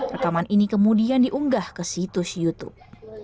rekaman ini kemudian diunggah ke situs youtube